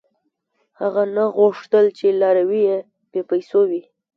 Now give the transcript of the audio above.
• هغه نه غوښتل، چې لاروي یې بېپېسو وي.